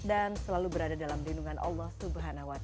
dan selalu berada dalam lindungan allah swt